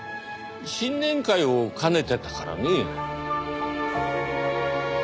新年会を兼ねてたからね。